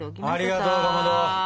ありがとうかまど！